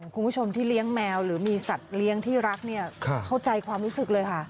คุณผู้ชมที่เลี้ยงแมวหรือมีสัตว์เลี้ยงที่รักเนี่ยเข้าใจความรู้สึกเลยค่ะ